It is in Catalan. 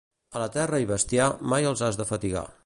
A la terra i bestiar, mai els has de fatigar.